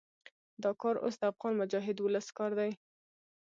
دا کار اوس د افغان مجاهد ولس کار دی.